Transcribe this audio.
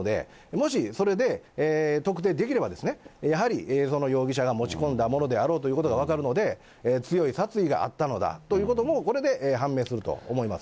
もしそれで特定できれば、やはりその容疑者が持ち込んだものであろうということが分かるので、強い殺意があったんだということも、これで判明すると思います。